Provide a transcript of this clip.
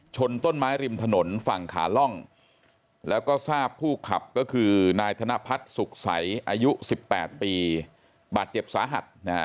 ชนต้นไม้ริมถนนฝั่งขาล่องแล้วก็ทราบผู้ขับก็คือนายธนพัฒน์สุขใสอายุ๑๘ปีบาดเจ็บสาหัสนะฮะ